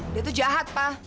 dia tuh jahat pa